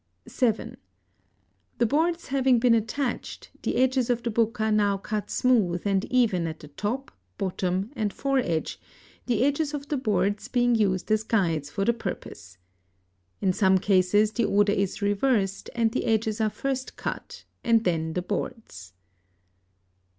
(7) The boards having been attached, the edges of the book are now cut smooth and even at the top, bottom, and fore edge, the edges of the boards being used as guides for the purpose. In some cases the order is reversed, and the edges are first cut and then the boards.